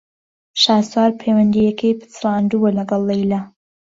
شاسوار پەیوەندییەکەی پچڕاندووە لەگەڵ لەیلا.